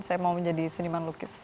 saya mau menjadi seniman lukis